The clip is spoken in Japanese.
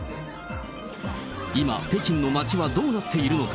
今、北京の街はどうなっているのか。